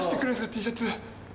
Ｔシャツ。